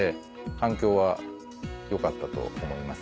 反響は良かったと思います。